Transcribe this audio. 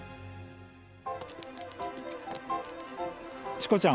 チコちゃん。